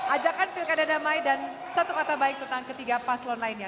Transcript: ajakkan pilih kandang damai dan satu kata baik tentang ketiga paslon lainnya